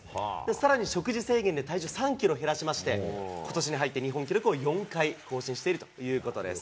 さらに食事制限で体重３キロ減らしまして、ことしに入って日本記録を４回更新しているということです。